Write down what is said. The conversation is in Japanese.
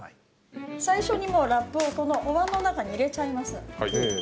最初にもうラップをおわんの中に入れちゃいます。